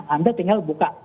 anda tinggal buka